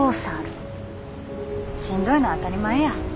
しんどいのは当たり前や。